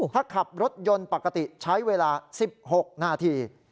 ถ้าขับรถยนต์ปกติใช้เวลา๑๖นาที